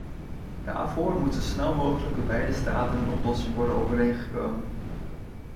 Daarvoor moet zo snel mogelijk door beide staten een oplossing worden overeengekomen.